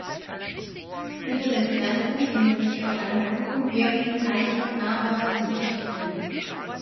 Unter den Pflanzen finden sich vor allem Buchen, Birken, Eichen, Ahorne und Fichten.